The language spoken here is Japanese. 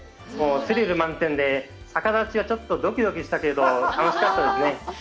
スリル満点で逆立ちはちょっとどきどきしたけれど楽しかったですね。